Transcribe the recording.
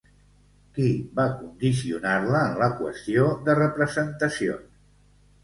Qui va condicionar-la en la qüestió de representacions?